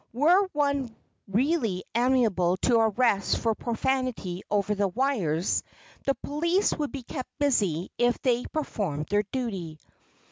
Were one really amenable to arrest for profanity over the wires, the police would be kept busy if they performed their duty.